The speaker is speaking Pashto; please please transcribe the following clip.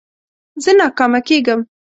زه ناکامه کېږم.